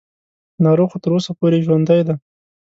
ناروغ خو تر اوسه پورې ژوندی دی.